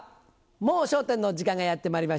『もう笑点』の時間がやってまいりました。